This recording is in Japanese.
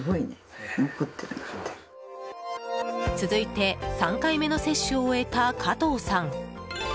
続いて３回目の接種を終えた加藤さん。